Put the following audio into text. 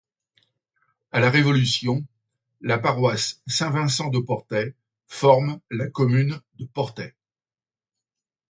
À la Révolution, la paroisse Saint-Vincent de Portets forme la commune de Portets.